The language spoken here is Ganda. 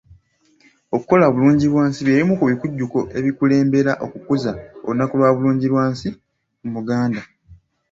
Okukola bulungibwansi by'ebimu ku bikujjuko ebikulembera okukuza olunaku lwa Bulungibwansi mu Buganda.